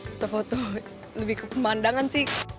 atau foto lebih ke pemandangan sih